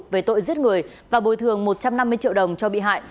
về tội giết người và bồi thường một trăm năm mươi triệu đồng cho bị hại